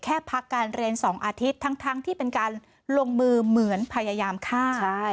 แค่พักการเรียน๒อาทิตย์ทั้งที่เป็นการลงมือเหมือนพยายามฆ่า